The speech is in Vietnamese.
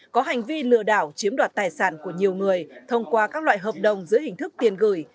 có hành vi lừa đảo chiếm đoạt tài sản của nhiều người thông qua các loại hợp đồng giữa hình thức tiền gửi